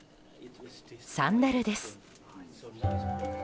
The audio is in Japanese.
サンダルです。